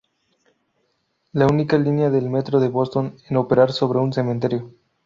La única línea del Metro de Boston en operar sobre un cementerio.